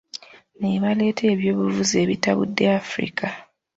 Ne baleeta ebyobufuzi ebitabudde Afirika.